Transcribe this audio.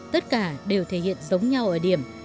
tất cả đều thể hiện giống nhau ở điểm